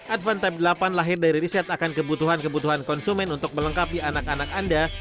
advan tab delapan lahir dari riset akan kebutuhan kebutuhan konsumen untuk melengkapi anak anak anda